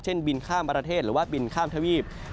บินข้ามประเทศหรือว่าบินข้ามทวีป